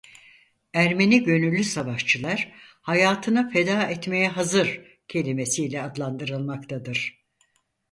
Ermeni gönüllü savaşçılar "hayatını feda etmeye hazır" kelimesiyle adlandırılmaktadır.